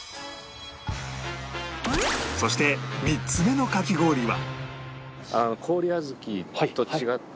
そして３つ目のかき氷は